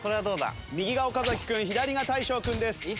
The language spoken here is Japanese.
右が岡君左が大昇君です。